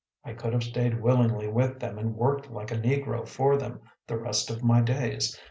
I could have stayed willingly with them and worked like a negro for them the rest of my days.